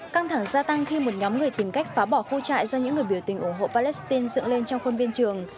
căng thẳng gia tăng khi một nhóm người tìm cách phá bỏ khu trại do những người biểu tình ủng hộ palestine dựng lên trong khuôn viên trường